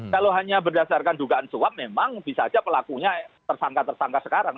kalau hanya berdasarkan dugaan suap memang bisa saja pelakunya tersangka tersangka sekarang